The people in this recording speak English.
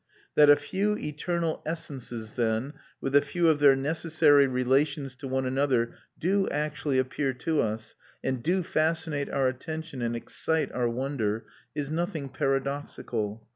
That a few eternal essences, then, with a few of their necessary relations to one another, do actually appear to us, and do fascinate our attention and excite our wonder, is nothing paradoxical.